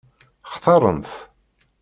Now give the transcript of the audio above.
Xtaṛen-t?